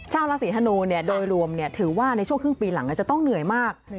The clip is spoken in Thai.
ชาวราศีธนูโดยรวมถือว่าในช่วงครึ่งปีหลังจะต้องเหนื่อยมาก